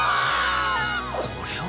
これは。